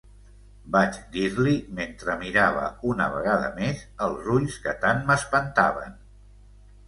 Vaig dir-li mentre mirava una vegada més els ulls que tant m’espantaven.